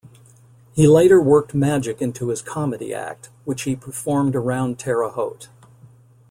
He later worked magic into his comedy act, which he performed around Terre Haute.